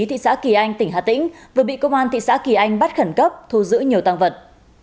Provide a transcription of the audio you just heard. thị xã kỳ anh tỉnh hà tĩnh vừa bị công an thị xã kỳ anh bắt khẩn cấp thu giữ nhiều tăng vật